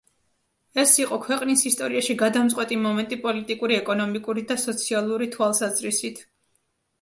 ეს იყო ქვეყნის ისტორიაში გადამწყვეტი მომენტი პოლიტიკური, ეკონომიკური და სოციალური თვალსაზრისით.